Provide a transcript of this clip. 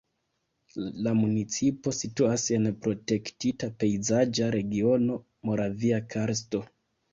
La municipo situas en protektita pejzaĝa regiono Moravia karsto.